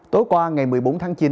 tối qua ngày một mươi bốn tháng chín